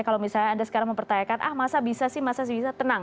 kalau misalnya anda sekarang mempertanyakan ah masa bisa sih masa sih bisa tenang